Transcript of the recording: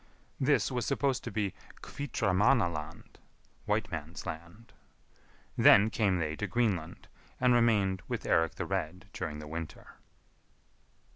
This was supposed to be Hvitramannaland (whiteman's land). Then came they to Greenland, and remained with Eirik the Red during the winter.